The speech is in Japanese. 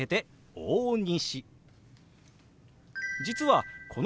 「大西」。